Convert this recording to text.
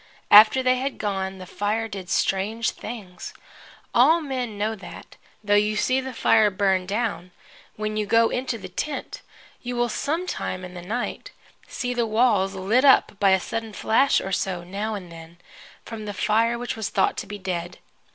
After they had gone, the fire did strange things. All men know that, though you see the fire burned down, when you go into the tent you will some time in the night see the walls lit up by a sudden flash or so, now and then, from the fire which was thought to be dead.